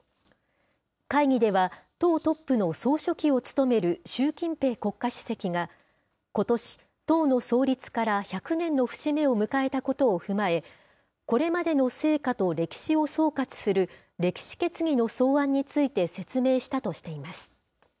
会議では、党トップの総書記を務める習近平国家主席が、ことし、党の創立から１００年の節目を迎えたことを踏まえ、これまでの成果と歴史を総括する歴史決議の草案について説明したとしています。